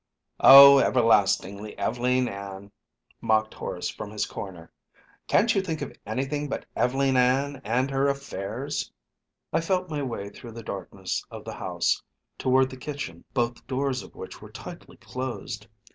"Oh, everlastingly Ev'leen Ann!" mocked Horace from his corner. "Can't you think of anything but Ev'leen Ann and her affairs?" I felt my way through the darkness of the house, toward the kitchen, both doors of which were tightly closed.